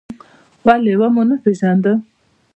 ولې و مو نه پېژندم؟